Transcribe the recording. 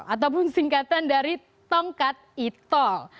ataupun singkatan dari tongkat itol